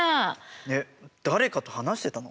えっ誰かと話してたの？